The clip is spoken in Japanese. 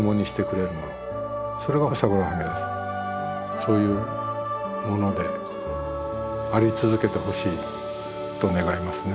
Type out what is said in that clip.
そういうものであり続けてほしいと願いますね。